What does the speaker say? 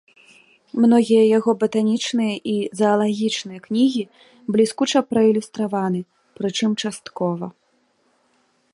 Многія яго батанічныя і заалагічныя кнігі бліскуча праілюстраваны, прычым часткова.